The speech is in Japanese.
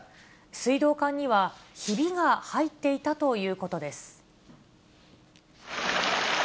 水道管にはひびが入っていたということです。